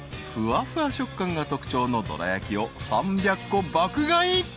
［ふわふわ食感が特徴のどらやきを３００個爆買い］